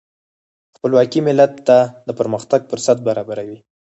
خپلواکي ملت ته د پرمختګ فرصت برابروي.